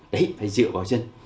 đấy phải dựa vào dân